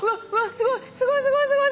すごいすごいすごいすごい。